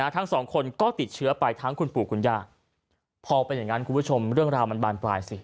ทั้งสองคนก็ติดเชื้อไปทั้งคุณปู่คุณย่าพอเป็นอย่างนั้นคุณผู้ชมเรื่องราวมันบานปลายสิ